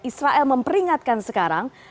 israel memperingatkan sekarang